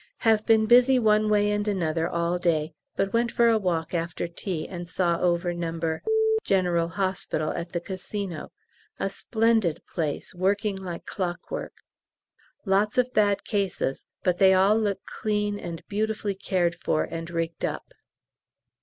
Have been busy one way and another all day, but went for a walk after tea and saw over the No. G.H. at the Casino a splendid place, working like clockwork. Lots of bad cases, but they all look clean and beautifully cared for and rigged up.